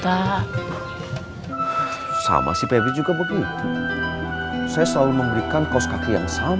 apa sih doi masa begini aja rapi